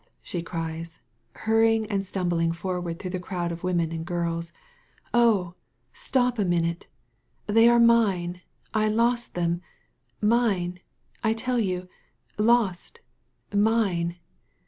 she cries, hunying and stumbling for ward through the crowd of women and girls. "Oh, stop a minute! They are mine — ^I lost them — mine, I tell you — ^lost — ^mine!"